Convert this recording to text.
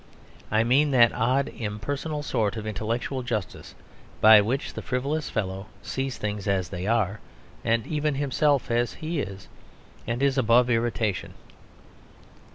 I mean that odd impersonal sort of intellectual justice, by which the frivolous fellow sees things as they are and even himself as he is; and is above irritation.